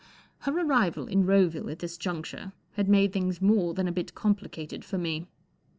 Her arrival in Roville at this juncture had made things more than a bit complicated forme.